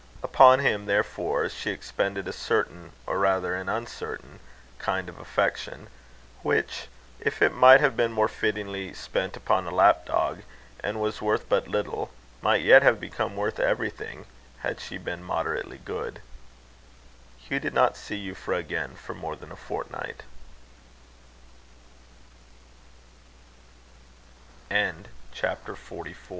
Upon him, therefore, she expended a certain, or rather an uncertain kind of affection, which, if it might have been more fittingly spent upon a lapdog, and was worth but little, might yet have become worth everything, had she been moderately good. Hugh did not see Euphra again for more than a fortnight. CHAPTER XXX.